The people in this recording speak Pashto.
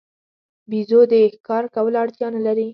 بیزو د ښکار کولو اړتیا نه لري.